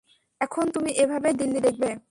এখন তুমি এভাবেই দিল্লি দেখবে।